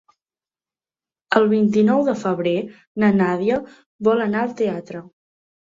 El vint-i-nou de febrer na Nàdia vol anar al teatre.